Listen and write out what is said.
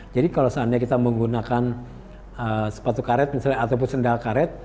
jadi kalau seandainya kita menggunakan sepatu karet ataupun sendal karet